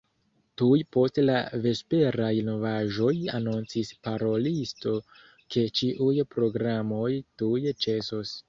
Tuj post la vesperaj novaĵoj anoncis parolisto, ke ĉiuj programoj tuj ĉesos.